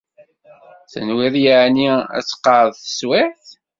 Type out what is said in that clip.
Tenwiḍ yeɛni ad tqeɛɛed teswiɛt?